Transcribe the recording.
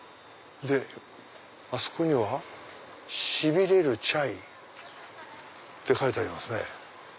あそこには「しびれるチャイ」って書いてありますね。